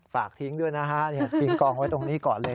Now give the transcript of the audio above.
ฝากทิ้งด้วยนะฮะทิ้งกองไว้ตรงนี้ก่อนเลย